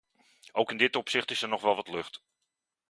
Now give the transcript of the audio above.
Ook in dit opzicht is er nog wel wat lucht.